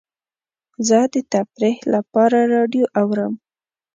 زه د تفریح لپاره راډیو اورم.